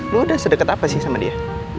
lo udah sedeket apa sih sama dia